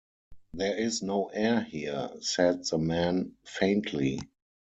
‘There is no air here,’ said the man faintly.